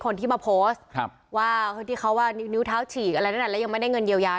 คนที่มาโพสต์ว่าที่เขาว่านิ้วเท้าฉีกอะไรนั่นแล้วยังไม่ได้เงินเยียวยา